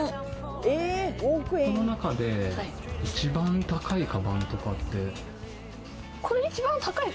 この中で一番高いかばんとかこれ一番高い。